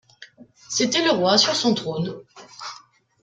C’était le roi sur son trône.